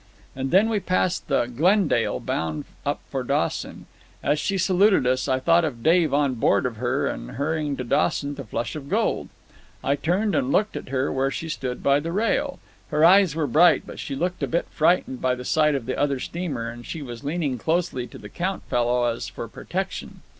And then we passed the Glendale, bound up for Dawson. As she saluted us, I thought of Dave on board of her and hurrying to Dawson to Flush of Gold. I turned and looked at her where she stood by the rail. Her eyes were bright, but she looked a bit frightened by the sight of the other steamer, and she was leaning closely to the Count fellow as for protection.